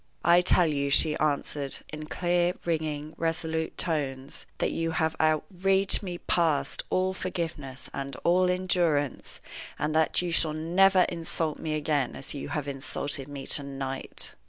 "I tell you," she answered, in clear, ringing, resolute tones, "that you have outraged me past all forgiveness and all endurance, and that you shall never insult me again as you have insulted me to night."